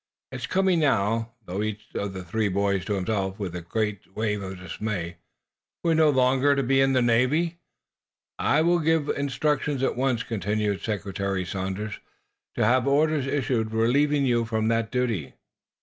'" "It's coming now," thought each of the three boys to himself, with a great wave of dismay. "We are to be no longer of the Navy." "I will give instructions at once," continued Secretary Sanders, "to have orders issued relieving you from that duty."